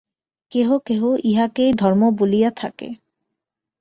কেহ কেহ ইহাকেই ধর্ম বলিয়া থাকে।